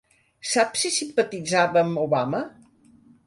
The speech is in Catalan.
Saps si simpatitzava amb Obama?